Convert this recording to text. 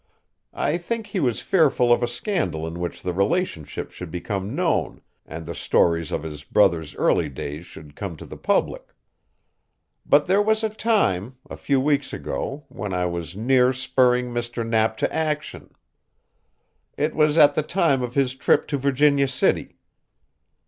I think he was fearful of a scandal in which the relationship should become known, and the stories of his brother's early days should come to the public. But there was a time, a few weeks ago, when I was near spurring Mr. Knapp to action. It was at the time of his trip to Virginia City.